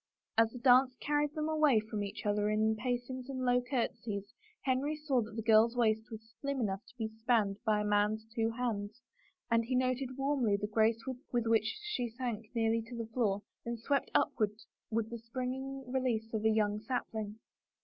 As the dance carried them away from each other in pacings and low courtesies, Henry saw that the girl's waist was slim enough to be spanned by a man's two hands, and he noted warmly the grace with which she sank nearly to the floor and then swept upward with the springing release of a young sapling.